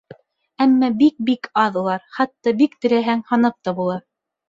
Әммә бик-бик аҙ улар, хатта, бик теләһәң, һанап та була!